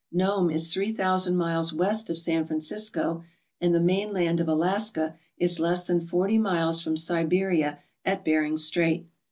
Nome is three thousand miles west of San Francisco; and the mainland of Alaska is less than forty miles from Siberia at Bering Strait.